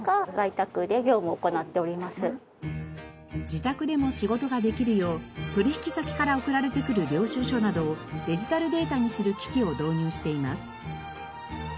自宅でも仕事ができるよう取引先から送られてくる領収書などをデジタルデータにする機器を導入しています。